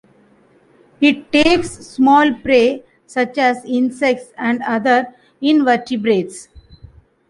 It takes small prey such as insects and other invertebrates.